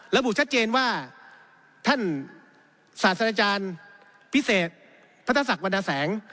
ระบุชัดเจนว่าท่านศาสตราจารย์พิเศษพัทศักดิวรรณแสง